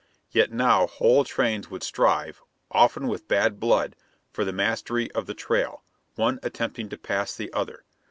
Yet now whole trains would strive, often with bad blood, for the mastery of the trail, one attempting to pass the other.